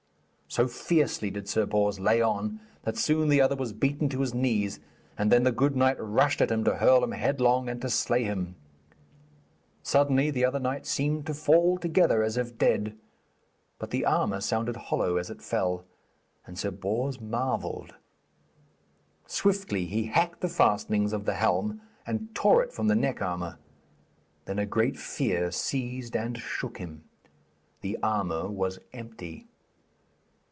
So fiercely did Sir Bors lay on, that soon the other was beaten to his knees, and then the good knight rushed at him to hurl him headlong and to slay him. Suddenly the other knight seemed to fall together as if dead; but the armour sounded hollow as it fell, and Sir Bors marvelled. Swiftly he hacked the fastenings of the helm and tore it from the neck armour. Then a great fear seized and shook him. The armour was empty!